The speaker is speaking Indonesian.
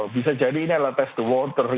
bisa jadi ini adalah test the water